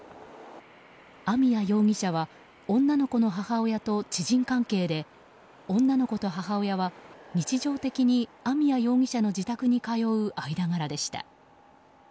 網谷容疑者は女の子の母親と知人関係で女の子と母親は、日常的に網谷容疑者の自宅に通う間柄でした。